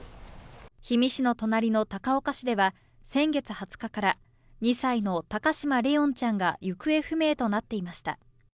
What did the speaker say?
氷見市の隣の高岡市では先月２０日から２歳の高嶋怜音ちゃんが行方不明となっていました。